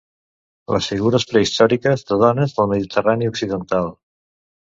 Les figures prehistòriques de dones del Mediterrani occidental.